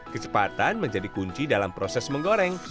kecepatan menjadi kunci dalam proses menggoreng